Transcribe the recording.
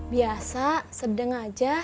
biasa sedang aja